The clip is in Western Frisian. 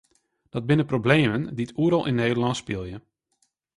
Dat binne problemen dy't oeral yn Nederlân spylje.